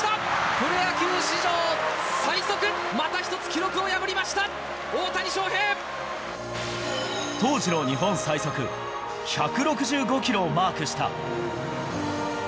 プロ野球史上最速、また１つ記録当時の日本最速、１６５キロをマークした。